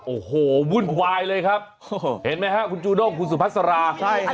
โอ้โหวุ่นควายเลยครับเห็นมั้ยครับคุณจูด้องคุณสุภัสรา